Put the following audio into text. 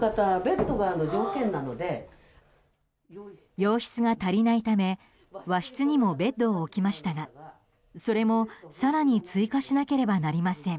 洋室が足りないため和室にもベッドを置きましたがそれも更に追加しなければなりません。